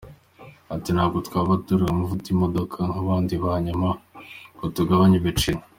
Ati “Ntabwo twaba tugura amavuta y’imodoka nk’abandi hanyuma ngo tugabanye ibiciro.